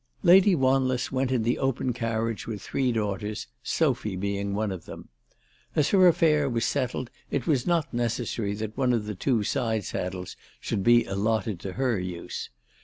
Lady Wanless went in the open carriage with three daughters, Sophie being one of them. As her affair was settled it was not necessary that one of the two side saddles should be allotted to her use.